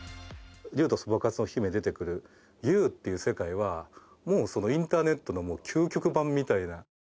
『竜とそばかすの姫』に出て来るＵっていう世界はもうそのインターネットの究極版みたいな。